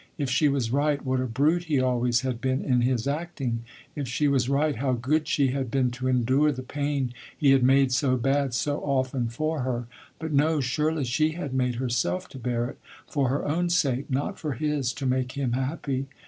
If she was right, what a brute he always had been in his acting. If she was right, how good she had been to endure the pain he had made so bad so often for her. But no, surely she had made herself to bear it, for her own sake, not for his to make him happy.